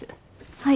はい。